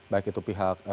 baik itu pihak